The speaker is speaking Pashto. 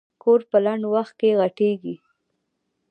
کور په لنډ وخت کې غټېږي.